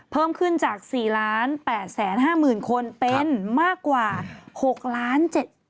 เพิ่มขึ้นจาก๔๘๕๐๐๐คนเป็นมากกว่า๖ล้าน